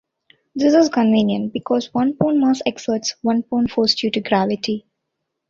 This is convenient because one pound mass exerts one pound force due to gravity.